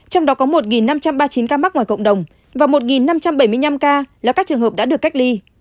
trong đó có một năm trăm ba mươi chín ca mắc ngoài cộng đồng và một năm trăm bảy mươi năm ca là các trường hợp đã được cách ly